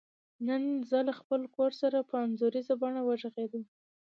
نن زه له خپل کور سره په انځوریزه بڼه وغږیدم.